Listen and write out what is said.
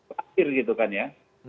lampir gitu kan ya